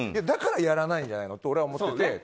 だからやらないんじゃないのと俺は思っていて。